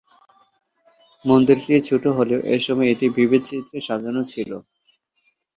মন্দিরটি ছোট হলেও এসময় এটি বিবিধ চিত্রে সাজানো ছিল।